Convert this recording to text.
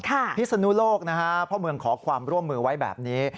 ค่ะพรีสนุโลกนะครับเพราะเมืองขอความร่วมมือไว้แบบนี้